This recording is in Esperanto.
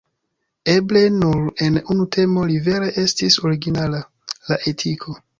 Eble nur en unu temo li vere estis originala: la etiko.